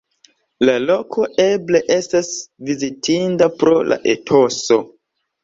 La loko eble estas vizitinda pro la etoso.